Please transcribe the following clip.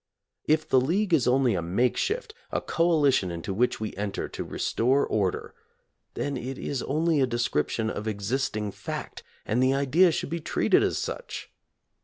If the League is only a makeshift, a coalition into which we enter to restore order, then it is only a description of exist ing fact, and the idea should be treated as such.